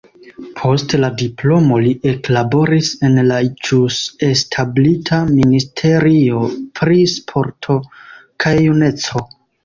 Post la diplomo li eklaboris en la ĵus establita ministerio pri sporto kaj juneco.